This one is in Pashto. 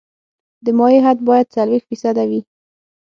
د مایع حد باید څلوېښت فیصده وي